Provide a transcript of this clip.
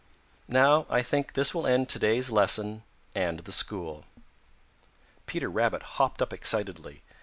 Now I think this will end to day's lesson and the school." Peter Rabbit hopped up excitedly.